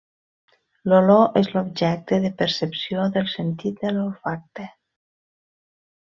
L'olor és l'objecte de percepció del sentit de l'olfacte.